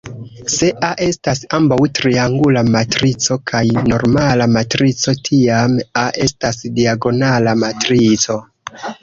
Se "A" estas ambaŭ triangula matrico kaj normala matrico, tiam "A" estas diagonala matrico.